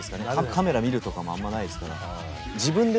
カメラ見るとかもあんまないですから。